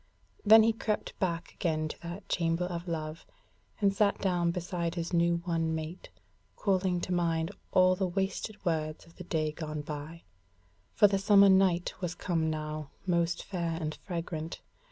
Then he crept back again to that Chamber of Love, and sat down beside his new won mate, calling to mind all the wasted words of the day gone by; for the summer night was come now, most fair and fragrant.